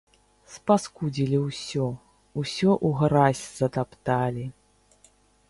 Спаскудзілі ўсё, усё ў гразь затапталі.